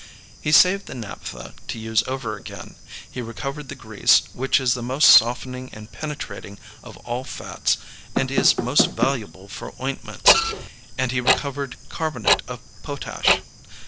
He saved the naphtha to use over again; he recovered the grease, which is the most softening and penetrating of all fats and is most valuable for ointments, and he recovered carbonate of potash.